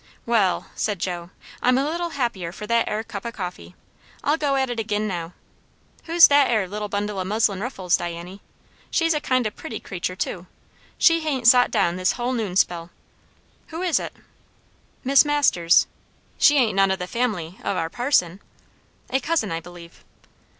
"Wall," said Joe, "I'm a little happier for that 'ere cup o' coffee. I'll go at it agin now. Who's that 'ere little bundle o' muslin ruffles, Diany? she's a kind o' pretty creatur', too. She hain't sot down this hull noonspell. Who is it?" "Miss Masters." "She ain't none o' the family o' our parson?" "A cousin, I believe."